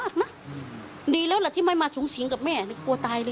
เฟอร์ฟอิชโค้ค